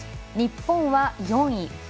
日本は４位。